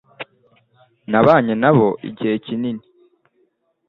Nabanye nabo igihe kinini.